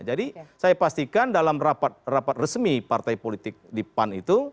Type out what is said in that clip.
jadi saya pastikan dalam rapat resmi partai politik di pan itu